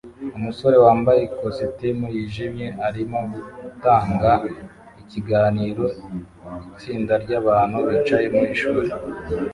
Umusore wambaye ikositimu yijimye arimo gutanga ikiganiro itsinda ryabantu bicaye mu ishuri